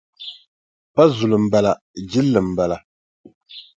Pa zuli m-bala jilli m-bala.